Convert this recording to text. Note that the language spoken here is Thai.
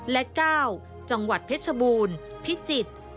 และ๙จังหวัดเพชรบูรณ์พิจิตร